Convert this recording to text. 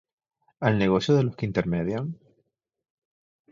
¿al negocio de los que intermedian?